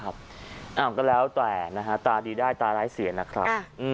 อ้าวค่ะแล้วแต่นะฮะตาดีได้ตาไร้เสียนะครับ